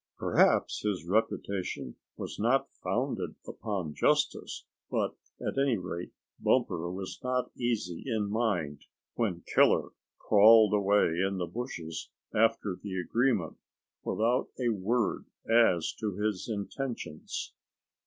Perhaps his reputation was not founded upon justice, but at any rate Bumper was not easy in mind when Killer crawled away in the bushes, after the agreement, without a word as to his intentions.